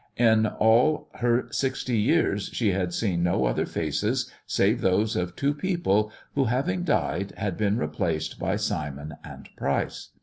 In all her sixty years she had seen no other faces^ save those of two people who, having died, had been replaced by Simon and Pryce.